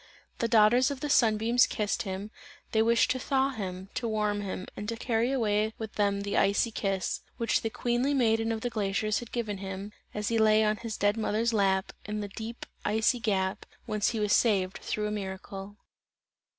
The daughters of the sun beams kissed him, they wished to thaw him, to warm him and to carry away with them the icy kiss, which the queenly maiden of the glaciers had given him, as he lay on his dead mother's lap, in the deep icy gap, whence he was saved through a miracle.